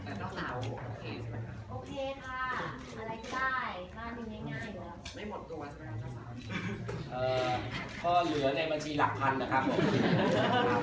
เอ่อก็เหลือในบัญชีหลักพันณนะครับผม